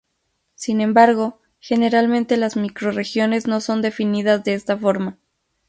Sin embargo, generalmente las microrregiones no son definidas de esta forma.